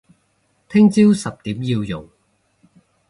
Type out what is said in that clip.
聽朝十點要用